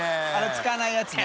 △使わないやつな。